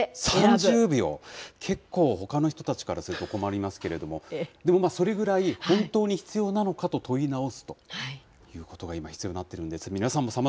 結構、ほかの人たちからすると困りますけれども、でも、それぐらい本当に必要なのかと問い直すということが今、必要になってるんですね。